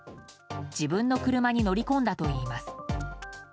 自分の車に乗り込んだといいます。